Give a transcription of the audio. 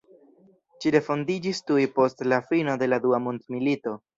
Ĝi refondiĝis tuj post la fino de la Dua Mondmilito.